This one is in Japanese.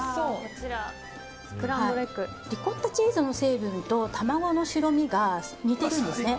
リコッタチーズの成分と卵の白身が似ているんですね。